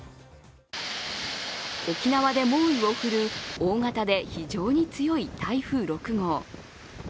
沖縄で猛威を振るう大型で非常に強い台風６号。